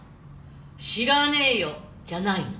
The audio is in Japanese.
「知らねえよ」じゃないの？